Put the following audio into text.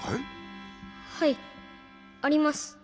はいあります。